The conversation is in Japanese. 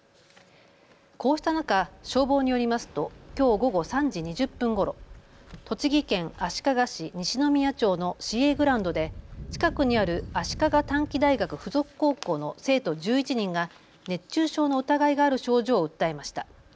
こうした中、消防によりますときょう午後３時２０分ごろ、栃木県足利市西宮町の市営グラウンドで近くにある足利短期大学附属高校の生徒１１人が熱中症の疑いがある症状を訴えました。